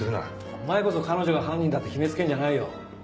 お前こそ彼女が犯人だって決めつけるんじゃないよ。